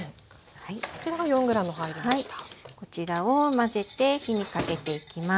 こちらを混ぜて火にかけていきます。